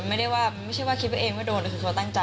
มันไม่ใช่ว่าคิดว่าเองไม่โดนแต่คือเขาตั้งใจ